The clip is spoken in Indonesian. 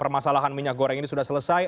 permasalahan minyak goreng ini sudah selesai